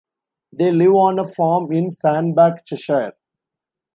They live on a farm in Sandbach, Cheshire.